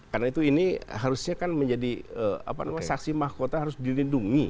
karena itu ini harusnya kan menjadi saksi mahkota harus dilindungi